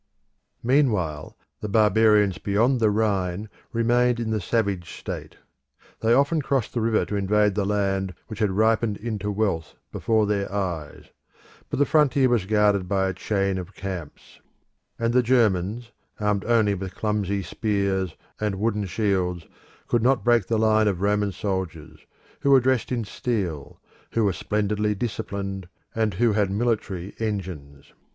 Meanwhile the barbarians beyond the Rhine remained in the savage state. They often crossed the river to invade the land which had ripened into wealth before their eyes: but the frontier was guarded by a chain of camps; and the Germans, armed only with clumsy spears and wooden shields, could not break the line of Roman soldiers, who were dressed in steel, who were splendidly disciplined, and who had military engines.